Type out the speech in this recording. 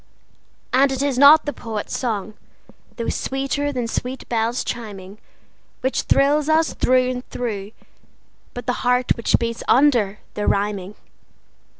And it is not the poet's song, though sweeter than sweet bells chiming, Which thrills us through and through, but the heart which beats under the rhyming.